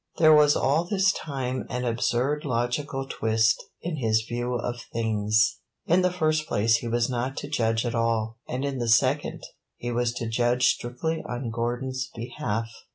There was all this time an absurd logical twist in his view of things. In the first place he was not to judge at all; and in the second he was to judge strictly on Gordon's behalf.